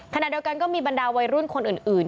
ขณะเดียวกันก็มีบรรดาวัยรุ่นคนอื่น